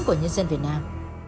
của nhân dân việt nam